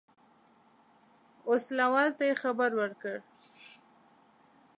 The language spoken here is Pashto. اوسلوال ته یې خبر ورکړ.